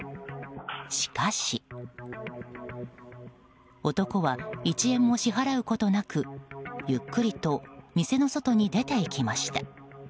しかし、男は１円も支払うことなくゆっくりと店の外に出て行きました。